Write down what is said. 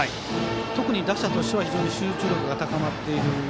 特に打者としては集中力が高まっている。